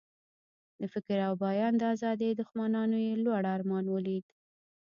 د فکر او بیان د آزادۍ دښمنانو یې لوړ ارمان ولید.